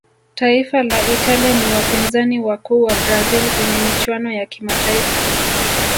taifa la italia ni wapinzani wakuu wa brazil kwenye michuano ya kimataifa